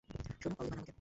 শোনো, কল দিবা না আমাকে।